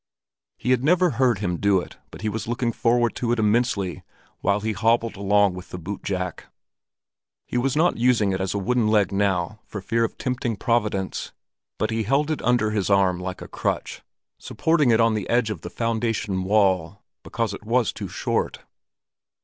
He had never heard him do it, and he was looking forward to it immensely while he hobbled along with the boot jack. He was not using it as a wooden leg now, for fear of tempting Providence; but he held it under his arm like a crutch, supporting it on the edge of the foundation wall, because it was too short.